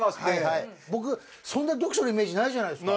僕そんな読書のイメージないじゃないですか。